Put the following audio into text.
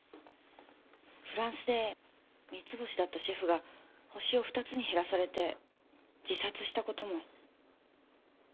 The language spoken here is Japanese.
フランスで三ツ星だったシェフが星を二つに減らされて自殺したことも。